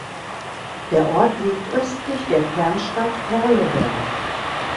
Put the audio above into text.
Der Ort liegt östlich der Kernstadt Perleberg.